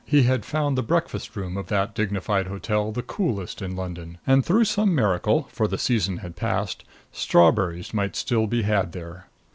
He had found the breakfast room of that dignified hotel the coolest in London, and through some miracle, for the season had passed, strawberries might still be had there.